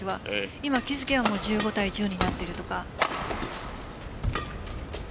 今、気づけば１５対１０になってるとか。